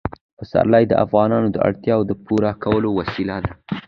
پسرلی د افغانانو د اړتیاوو د پوره کولو وسیله ده.